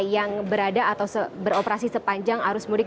yang berada atau beroperasi sepanjang arus mudik